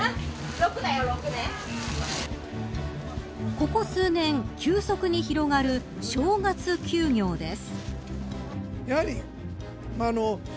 ここ数年、急速に広がる正月休業です。